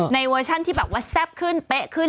ในเวอร์ชันที่แบบแซ่บขึ้นเพะขึ้น